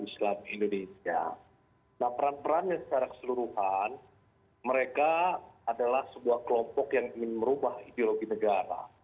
nah peran perannya secara keseluruhan mereka adalah sebuah kelompok yang ingin merubah ideologi negara